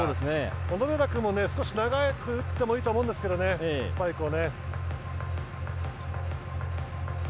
小野寺君も少し長く打ってもいいと思うんですけどねスパイクを。